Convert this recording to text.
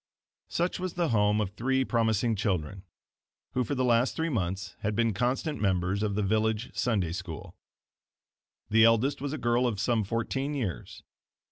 Such was the home of three promising children, who for the last three months had been constant members of the village Sunday School. The eldest was a girl of some fourteen years.